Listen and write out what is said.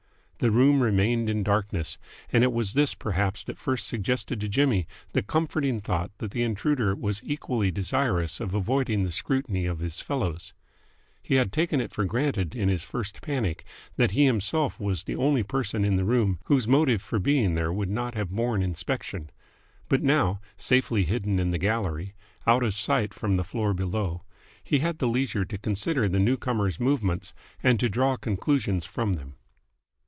The room remained in darkness, and it was this perhaps that first suggested to Jimmy the comforting thought that the intruder was equally desirous of avoiding the scrutiny of his fellows. He had taken it for granted in his first panic that he himself was the only person in that room whose motive for being there would not have borne inspection. But now, safely hidden in the gallery, out of sight from the floor below, he had the leisure to consider the newcomer's movements and to draw conclusions from them.